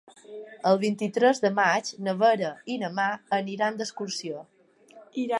El vint-i-tres de maig na Vera i na Mar iran d'excursió.